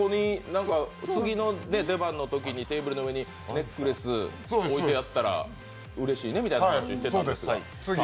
次の出番のときにテーブルの上にネックレス置いてあったらうれしいねみたいな話してたんですけど。